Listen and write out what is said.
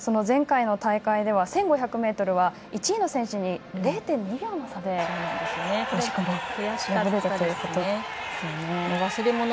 前回の大会では１５００ｍは１位の選手に０．２秒の差で惜しくも